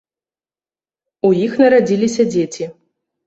У іх нарадзіліся дзеці.